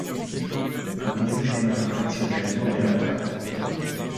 An diesem nehmen traditionell nur Männer teil.